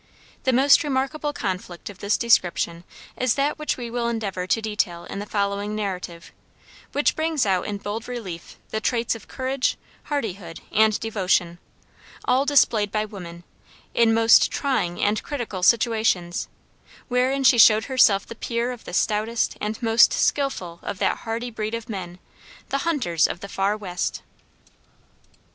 The most remarkable conflict of this description is that which we will endeavor to detail in the following narrative, which brings out in bold relief the traits of courage, hardihood, and devotion, all displayed by woman, in most trying and critical situations, wherein she showed herself the peer of the stoutest and most skillful of that hardy breed of men the hunters of the far west.